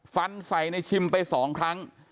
ฟันใส่ในชิมไปสองครั้ง